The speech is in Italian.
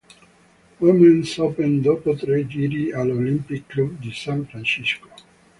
Women's Open dopo tre giri all'Olympic Club di San Francisco.